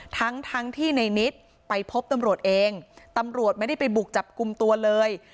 ทั้งทั้งที่ในนิดไปพบตำรวจเองตำรวจไม่ได้ไปบุกจับกลุ่มตัวเลย